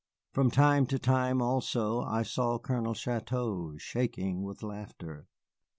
From time to time also I saw Colonel Chouteau shaking with laughter.